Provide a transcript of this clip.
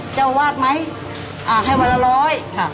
เจ้าวาดไหมอ่าให้วรรล้อย